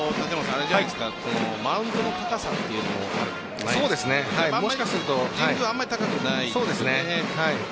マウンドの高さというのもあるんですかもしかすると神宮はあまり高くないですね。